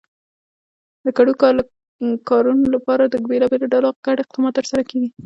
د ګډو کارونو لپاره د بېلابېلو ډلو ګډ اقدامات ترسره کېږي.